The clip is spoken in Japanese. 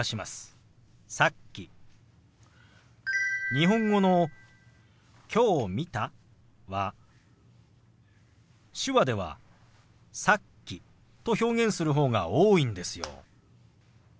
日本語の「きょう見た」は手話では「さっき」と表現する方が多いんですよ。